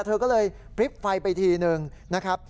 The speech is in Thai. เธอก็เลยพลิบไฟไปทีนึงนะครับ